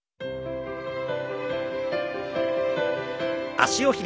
脚を開きます。